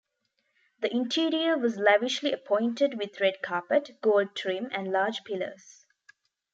The interior was lavishly appointed with red carpet, gold trim, and large pillars.